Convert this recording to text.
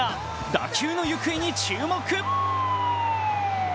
打球の行方に注目。